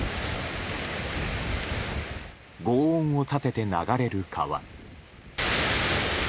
ごう音を立てて流れる川。